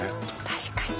確かに。